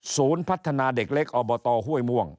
พัฒนาเด็กเล็กอบตห้วยม่วง